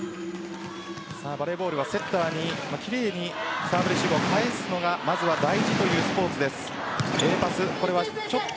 バレーボールはセッターに奇麗にサーブレシーブを返すのがまずは大事というスポーツです。